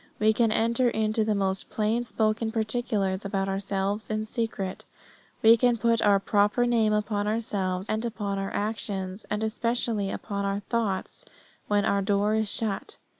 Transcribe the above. We can enter into the most plain spoken particulars about ourselves in secret. We can put our proper name upon ourselves, and upon our actions, and especially upon our thoughts when our door is shut.